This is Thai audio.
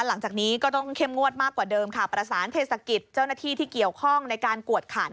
หลังจากนี้ก็ต้องเข้มงวดมากกว่าเดิมค่ะประสานเทศกิจเจ้าหน้าที่ที่เกี่ยวข้องในการกวดขัน